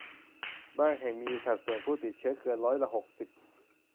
บางแห่งมีสัดส่วนผู้ติดเชื้อเกินร้อยละหกสิบ